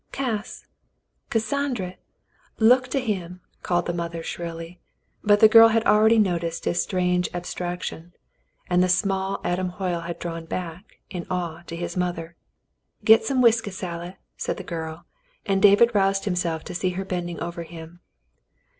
"Cass — Cassandry ! Look to him," called the mother shrilly, but the girl had already noticed his strange ab straction, and the small Adam Hoyle had drawn back, in awe, to his mother. " Get some whiskey, Sally," said the girl, and David roused himself to see her bending over him.